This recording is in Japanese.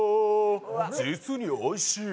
実においしい。